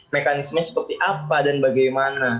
mekanisme seperti apa dan bagaimana